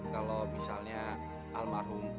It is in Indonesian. kalau misalnya al mahrum